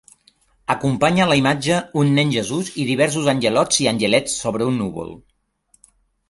Acompanya la imatge un Nen Jesús i diversos angelots i angelets sobre un núvol.